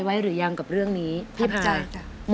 แล้วตอนนี้พี่พากลับไปในสามีออกจากโรงพยาบาลแล้วแล้วตอนนี้จะมาถ่ายรายการ